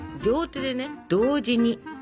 両手でね同時に。